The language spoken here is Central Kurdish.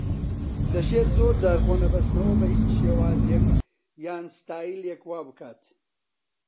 دەشێت زۆر جار خۆنەبەستنەوە بە هیچ شێوازێک یان ستایلێک وا بکات